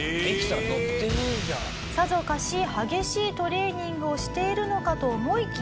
さぞかし激しいトレーニングをしているのかと思いきや。